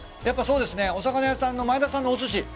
やっぱそうですねお魚屋さんの前田さんのお寿司。